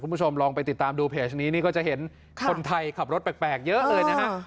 คุณผู้ชมลองไปติดตามดูเพจนี้นี่ก็จะเห็นคนไทยขับรถแปลกเยอะเลยนะฮะ